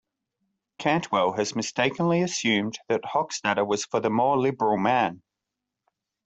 Cantwell has mistakenly assumed that Hockstader was for the more liberal man.